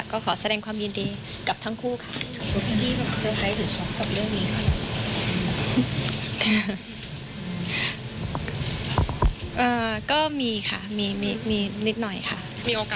ก็ขอแสดงความยินดีกับทั้งคู่ค่ะ